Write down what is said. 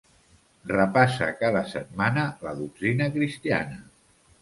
Repassa cada setmana la doctrina cristiana.